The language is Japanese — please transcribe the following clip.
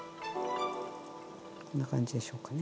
こんな感じでしょうかね。